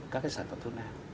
các cái sản phẩm thuốc nam